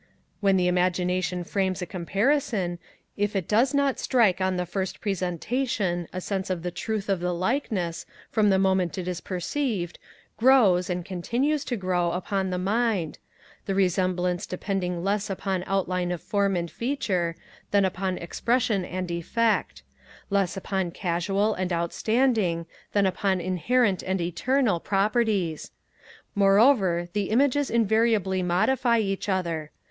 When the Imagination frames a comparison, if it does not strike on the first presentation, a sense of the truth of the likeness, from the moment that it is perceived, grows and continues to grow upon the mind; the resemblance depending less upon outline of form and feature, than upon expression and effect; less upon casual and outstanding, than upon inherent and internal, properties: moreover, the images invariably modify each other.